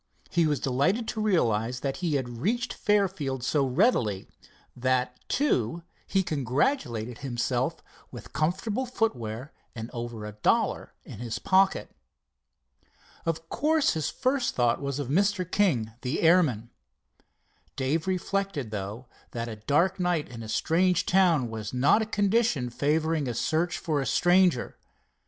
He was delighted to realize that he had reached Fairfield so readily—that, too, he congratulated himself, with comfortable footwear and over a dollar in his pocket. Of course his first thought was of Mr. King, the airman. Dave reflected, though, that a dark night in a strange town was not a condition favoring a search for a stranger.